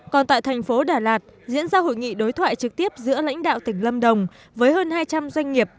còn tại thành phố đà lạt diễn ra hội nghị đối thoại trực tiếp giữa lãnh đạo tỉnh lâm đồng với hơn hai trăm linh doanh nghiệp